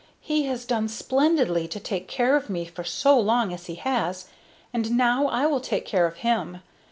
"He has done splendidly to take care of me for so long as he has, and now I will take care of him.